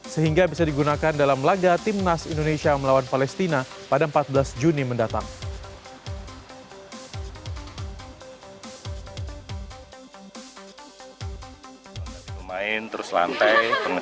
sehingga bisa digunakan dalam laga timnas indonesia melawan palestina pada empat belas juni mendatang